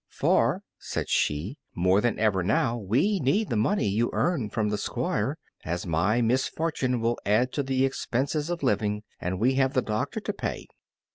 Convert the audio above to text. "For," said she, "more than ever now we need the money you earn from the Squire, as my misfortune will add to the expenses of living, and we have the doctor to pay.